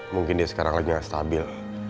mungkin dia sekarang lagi stabil